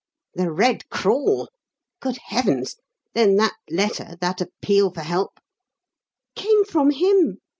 "'The Red Crawl'! Good heavens! then that letter, that appeal for help " "Came from him!"